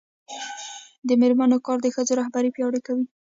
د میرمنو کار د ښځو رهبري پیاوړې کوي.